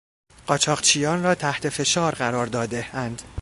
قاچاقچیان را تحت فشار قرار دادهاند.